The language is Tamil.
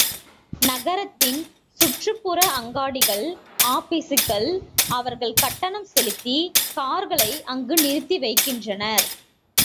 நகரத்தின் சுற்றுப்புற அங்காடிகள், ஆபீசுகள் அவர்கள் கட்டணம் செலுத்திக் கார்களை அங்கு நிறுத்தி வைக்கின்றனர்.